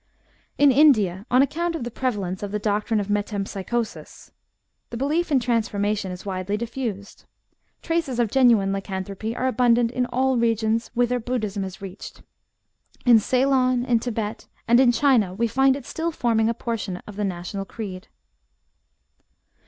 *' In India, on account of the prevalence of the doctrine of metempsychosis, the belief in transformation is widely diffused. Traces of genuine lycanthropy are abundant in all regions whither Buddism has reached. In Ceylon, in Thibet, and in China, we find it still forming a portion of the national creed.